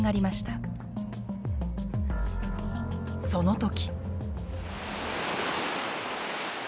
その時！